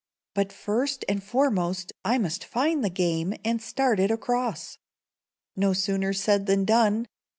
But, first and foremost, I must find the game, and start it across." No sooner said than done.